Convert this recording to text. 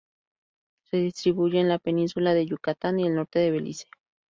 Se distribuye en la Península de Yucatán y el norte de Belice.